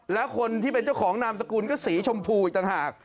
แล้วคนที่เป็นเจ้าของนามสกุลก็สีชมพูอีกต่างหาก